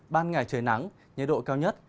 ban ngày trời nắng nhiệt độ cao nhất